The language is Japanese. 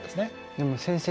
でも先生。